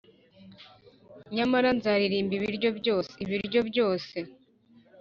nyamara nzaririmba, ibiryo byose, ibiryo byose,